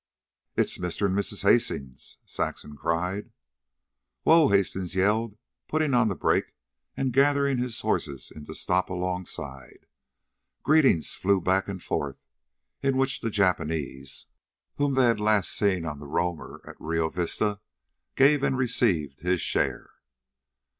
"It's Mr. and Mrs. Hastings," Saxon cried. "Whoa!" Hastings yelled, putting on the brake and gathering his horses in to a stop alongside. Greetings flew back and forth, in which the Japanese, whom they had last seen on the Roamer at Rio Vista, gave and received his share.